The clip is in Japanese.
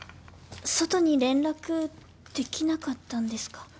外に連絡できなかったんですか？